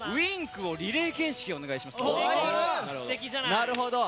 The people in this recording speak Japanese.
なるほど。